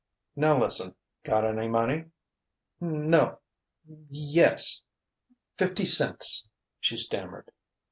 "Now, lis'en: got any money?" "No yes fifty cents," she stammered.